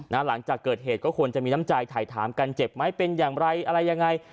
หลังจากเกิดเหตุก็ควรจะมีน้ำใจถ่ายถามกันเจ็บไหมเป็นอย่างไรอะไรยังไง